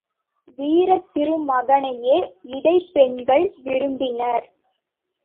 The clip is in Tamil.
வீரத்திருமகனையே இடைப் பெண்கள் விரும்பினர்.